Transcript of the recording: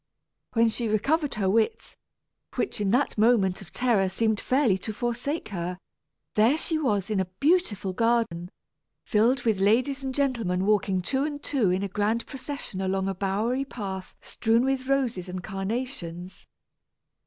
When she recovered her wits, which in that moment of terror seemed fairly to forsake her, there she was in a beautiful garden, filled with ladies and gentlemen walking two and two in a grand procession along a bowery path strewn with roses and carnations.